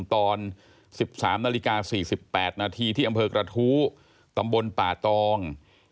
ตอน๑๓นาฬิกา๔๘นาทีที่อำเภอกระทู้ตำบลป่าตอง